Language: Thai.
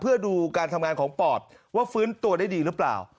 เพื่อดูการทำงานของปอดว่าฟื้นตัวได้ดีหรือเปล่า